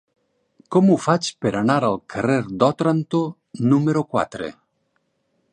Com ho faig per anar al carrer d'Òtranto número quatre?